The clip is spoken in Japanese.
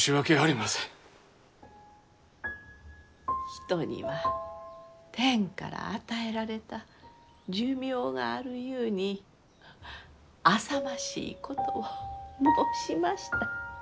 人には天から与えられた寿命があるゆうにあさましいことを申しました。